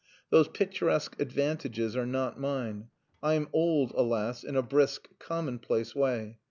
Those picturesque advantages are not mine. I am old, alas, in a brisk, commonplace way.